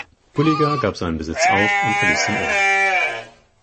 Gulyga gab seinen Besitz auf und verließ den Ort.